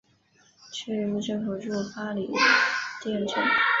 区人民政府驻八里店镇。